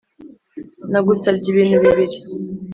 “nagusabye ibintu bibiri,